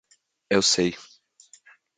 Eu sei